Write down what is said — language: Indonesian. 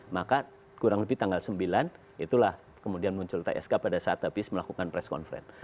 maka kurang lebih tanggal sembilan itulah kemudian muncul tsk pada saat habis melakukan press conference